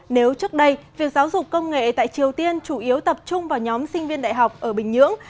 nếu trước đây việc giáo dục công nghệ tại triều tiên chủ yếu tập trung vào nhóm sinh viên đại học ở bình nhưỡng